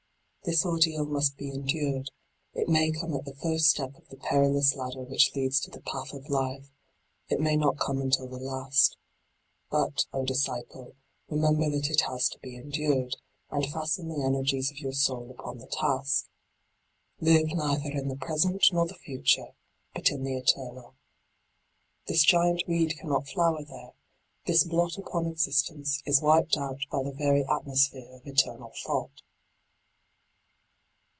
This ordeal must be endured : it may come at the first step of the perilous ladder which leads to the path of life : it may not come until the last. But, 6 disciple, remember that it has to be endured, and fasten the energies of your soul upon the task. Live neither in the present nor the future, but in the eternal. This giant weed cannot flower there: this d by Google LIGHT ON THE PATH 7 blot upon existence is wiped out by the very atmosphere of eternal thought.